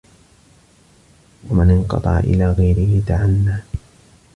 وَمَنْ انْقَطَعَ إلَى غَيْرِهِ تَعَنَّى